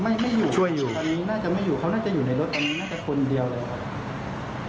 ไม่ไม่อยู่ช่วยอยู่ตอนนี้น่าจะไม่อยู่เขาน่าจะอยู่ในรถตอนนี้น่าจะคนเดียวเลยครับ